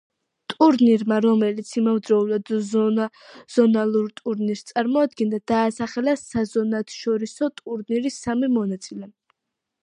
ტურნირმა, რომელიც იმავდროულად ზონალურ ტურნირს წარმოადგენდა, დაასახელა საზონათშორისო ტურნირის სამი მონაწილე.